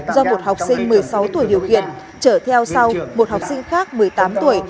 do một học sinh một mươi sáu tuổi điều khiển trở theo sau một học sinh khác một mươi tám tuổi